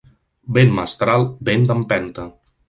Vent mestral, vent d'empenta.